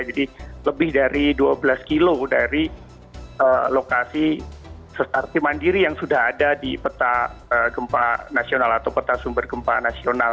jadi lebih dari dua belas kilo dari lokasi sesar sesar mandiri yang sudah ada di peta gempa nasional atau peta sumber gempa nasional